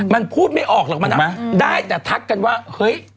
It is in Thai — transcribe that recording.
มันพูดไม่ออกหรอกมันได้แต่ทักกันว่าเฮ้ย